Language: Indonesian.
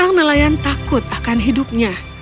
sang nelayan takut akan hidupnya